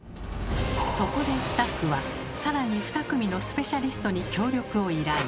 そこでスタッフは更に２組のスペシャリストに協力を依頼。